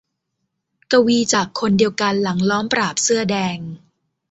กวีจากคนเดียวกันหลังล้อมปราบเสื้อแดง